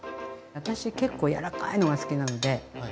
私結構柔らかいのが好きなので。